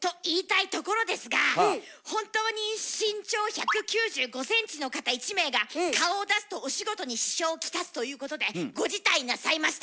と言いたいところですが本当に身長１９５ｃｍの方１名が顔を出すとお仕事に支障を来すということでご辞退なさいました。